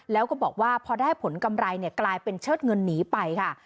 แล้วก็บอกว่าพอได้ผลกำไรกลายเป็นเชิดเงินหนีไปค่ะ